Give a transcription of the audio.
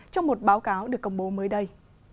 trong một báo cáo được công bố mới đây